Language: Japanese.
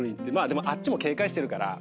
でもあっちも警戒してるから。